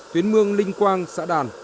tuyến mương linh quang xã đàn